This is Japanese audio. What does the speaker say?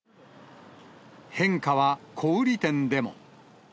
変化は小売り店でも。